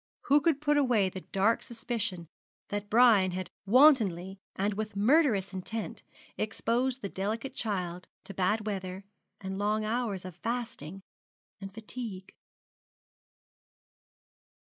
who could put away the dark suspicion that Brian had wantonly, and with murderous intent, exposed the delicate child to bad weather and long hours of fasting and fatigue?